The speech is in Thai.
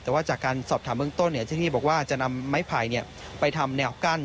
แต่ว่าจากการสอบถามเบื้องต้นเจ้าที่บอกว่าจะนำไม้ไผ่ไปทำแนวกั้น